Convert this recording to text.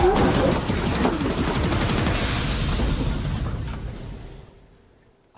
โอโห